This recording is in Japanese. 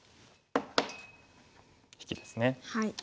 引きですね。